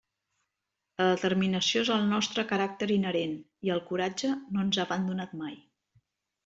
La determinació és el nostre caràcter inherent, i el coratge no ens ha abandonat mai.